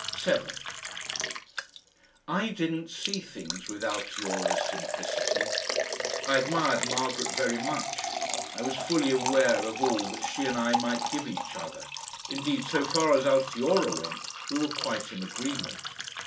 7 I didn't see things with Altiora's simplicity. I admired Margaret very much, I was fully aware of all that she and I might give each other; indeed so far as Altiora went we were quite in agreement.